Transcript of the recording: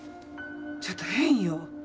ちょっと変よ。